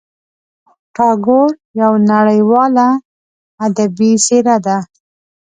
ټاګور یوه نړیواله ادبي څېره ده.